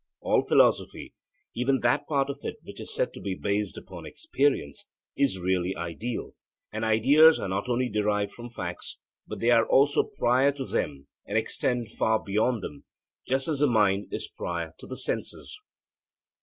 All philosophy, even that part of it which is said to be based upon experience, is really ideal; and ideas are not only derived from facts, but they are also prior to them and extend far beyond them, just as the mind is prior to the senses.